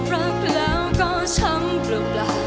รักแล้วก็ช้ำเปล่า